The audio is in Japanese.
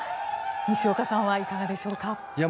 西岡さんはいかがですか。